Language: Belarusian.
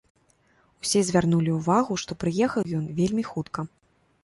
Усе звярнулі ўвагу, што прыехаў ён вельмі хутка.